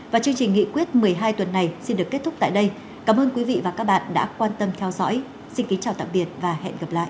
và chương trình nghị quyết một mươi hai tuần này xin được kết thúc tại đây cảm ơn quý vị và các bạn đã quan tâm theo dõi xin kính chào tạm biệt và hẹn gặp lại